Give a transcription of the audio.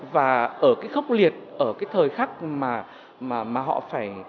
và ở cái khốc liệt ở cái thời khắc mà họ phải